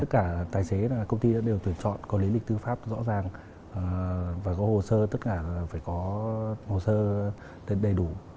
tất cả tài xế là công ty đã đều tuyển chọn có lý lịch tư pháp rõ ràng và có hồ sơ tất cả phải có hồ sơ đầy đủ